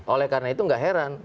oleh karena itu nggak heran